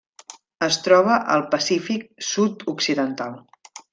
Es troba al Pacífic sud-occidental.